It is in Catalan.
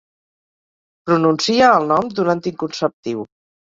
Pronuncia el nom d'un anticonceptiu.